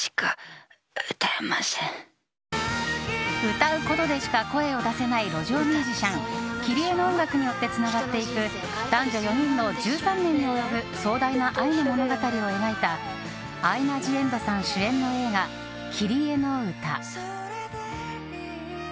歌うことでしか声を出せない路上ミュージシャンキリエの音楽によってつながっていく男女４人の１３年に及ぶ壮大な愛の物語を描いたアイナ・ジ・エンドさん主演の映画、「キリエのうた」。